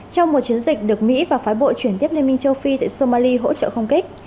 trong một chiến dịch được mỹ và phái bộ chuyển tiếp liên minh châu phi tại somali hỗ trợ không kích